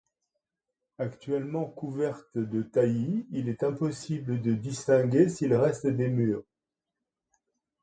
Actuellement couverte de taillis, il est impossible de distinguer s'il reste des murs.